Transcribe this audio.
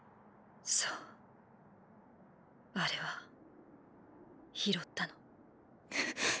そうあれは拾ったの。